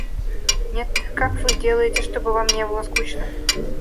Нет, как вы делаете, чтобы вам не было скучно?